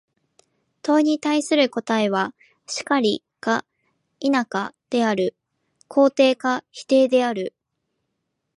問に対する答は、「然り」か「否」である、肯定か否定である。